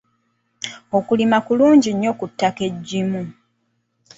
Okulima kulungi nnyo ku ttaka eggimu.